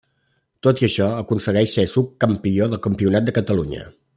Tot i això aconsegueix ser subcampió del Campionat de Catalunya.